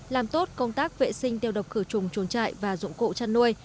làm tốt công tác vệ sinh tiêu độc khử trùng chuồng trại và dụng cụ chăn nuôi